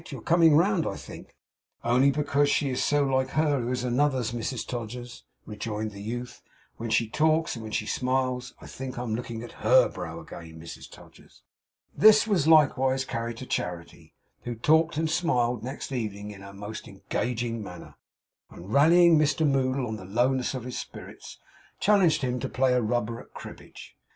You're coming round, I think.' 'Only because she's so like her who is Another's, Mrs Todgers,' rejoined the youth. 'When she talks, and when she smiles, I think I'm looking on HER brow again, Mrs Todgers.' This was likewise carried to Charity, who talked and smiled next evening in her most engaging manner, and rallying Mr Moddle on the lowness of his spirits, challenged him to play a rubber at cribbage.